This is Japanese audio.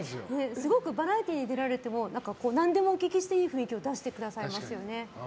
すごくバラエティーに出られても何でも聞きしていい雰囲気を出してくださいますよね。